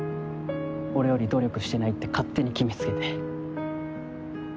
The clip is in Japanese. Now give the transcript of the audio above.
俺より努力してないって勝手に決め付けて。